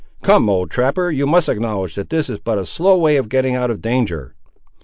"Come, old trapper, you must acknowledge this is but a slow way of getting out of danger.